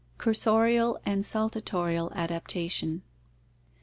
Cursorial and Saltatorial Adaptation.